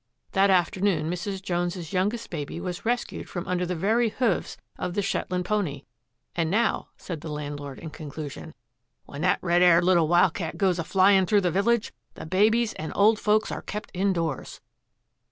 That afternoon Mrs. Jones's youngest baby wajs rescued from under the very hoofs of the Shetland pony, and now, said the landlord in con clusion, " When that red 'aired little wild cat goes a flyin' through the village, the babies and old folks are kept indoors."